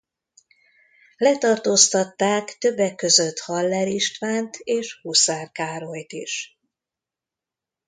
Letartóztatták többek között Haller Istvánt és Huszár Károlyt is.